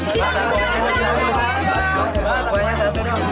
disini dong disini dong